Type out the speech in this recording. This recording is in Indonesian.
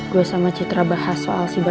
gue sama citra bahas soal si ba